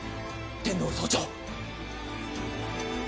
天堂総長。